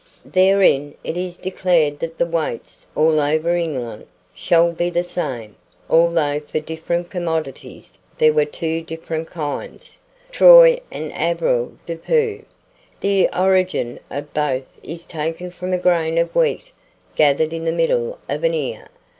Therein it is declared that the weights, all over England, shall be the same, although for different commodities there were two different kinds, Troy and Avoirdupois. The origin of both is taken from a grain of wheat gathered in the middle of an ear.